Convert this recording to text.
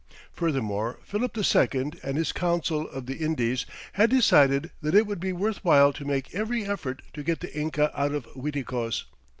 Furthermore, Philip II and his Council of the Indies had decided that it would be worth while to make every effort to get the Inca out of Uiticos.